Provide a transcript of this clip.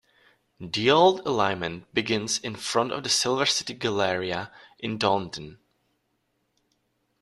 The old alignment begins in front of the Silver City Galleria in Taunton.